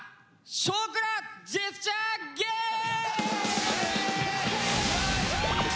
「少クラジェスチャーゲーム！！」。